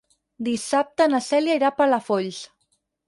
Dissabte na Cèlia irà a Palafolls.